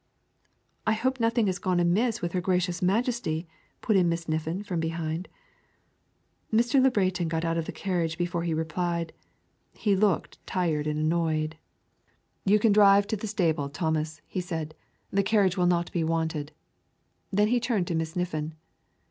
"I hope nothing has gone amiss with her Gracious Majesty," put in Miss Niffin from behind. Mr. Le Breton got out of the carriage before he replied. He looked tired and annoyed. "You can drive to the stable, Thomas," he said; "the carriage will not be wanted." Then he turned to Miss Niffin.